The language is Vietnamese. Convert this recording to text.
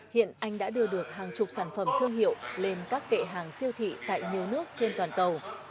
hiện anh đã đưa được hàng chục sản phẩm thương hiệu lên các kệ hàng siêu thị tại nhiều nước trên toàn cầu